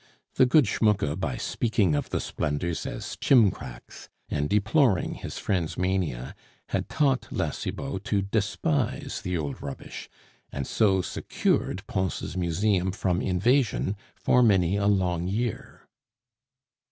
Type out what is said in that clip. The good Schmucke, by speaking of the splendors as "chimcracks," and deploring his friend's mania, had taught La Cibot to despise the old rubbish, and so secured Pons' museum from invasion for many a long year.